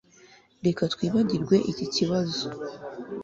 Reka twibagirwe iki kibazo